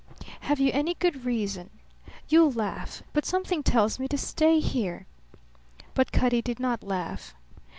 "Have you any good reason?" "You'll laugh; but something tells me to stay here." But Cutty did not laugh.